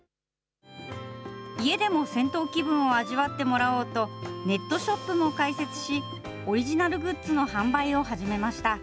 家でも銭湯気分を味わってもらおうと、ネットショップも開設し、オリジナルグッズの販売を始めました。